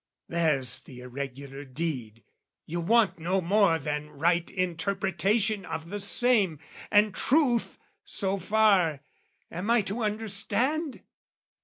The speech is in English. There's the irregular deed: you want no more Than right interpretation of the same, And truth so far am I to understand?